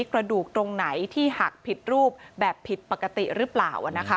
กระดูกตรงไหนที่หักผิดรูปแบบผิดปกติหรือเปล่า